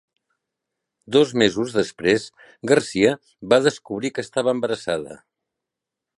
Dos mesos després, Garcia va descobrir que estava embarassada.